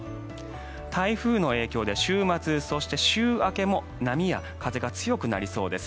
台風の影響で週末そして週明けも波や風が強くなりそうです。